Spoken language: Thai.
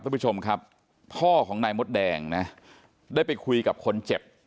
ท่านผู้ชมครับพ่อของนายมดแดงนะได้ไปคุยกับคนเจ็บ